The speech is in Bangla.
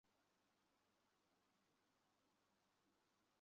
সে আমাদের বলে দিচ্ছে কোথায় যেতে হবে।